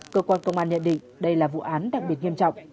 cơ quan công an nhận định đây là vụ án đặc biệt nghiêm trọng